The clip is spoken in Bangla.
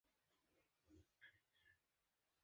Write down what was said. তুমি কি আমায় সেটা শেখাতে পারবে?